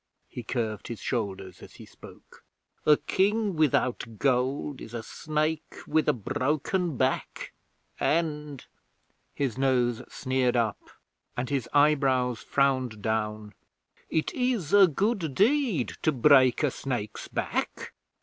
He curved his shoulders as he spoke. 'A King without gold is a snake with a broken back, and' his nose sneered up and his eyebrows frowned down 'it is a good deed to break a snake's back.